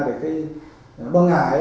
để khi bóng ngải